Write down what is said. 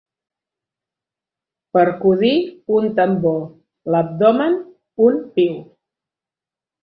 Percudir un tambor, l'abdomen, un piu.